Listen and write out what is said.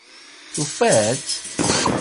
Tufa-tt?